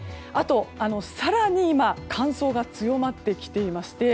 あと、更に今、乾燥が強まってきていまして。